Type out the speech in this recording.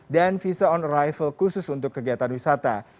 dan visa on arrival khusus untuk kegiatan wisata